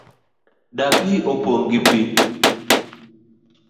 Dapii opong' gi pii